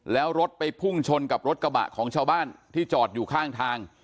แล้วรถไปพุ่งชนกับรถกระบะของชาวบ้านที่จอดอยู่ข้างทาง